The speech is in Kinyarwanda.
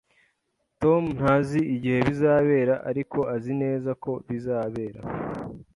Tom ntazi igihe bizabera, ariko azi neza ko bizabera